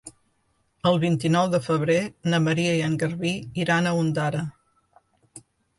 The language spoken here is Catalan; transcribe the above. El vint-i-nou de febrer na Maria i en Garbí iran a Ondara.